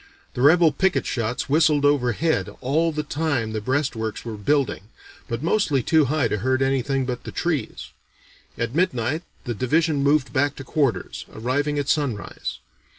The rebel picket shots whistled overhead all the time the breastworks were building, but mostly too high to hurt anything but the trees. At midnight the division moved back to quarters, arriving at sunrise.